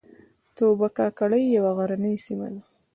توبه کاکړۍ یوه غرنۍ سیمه ده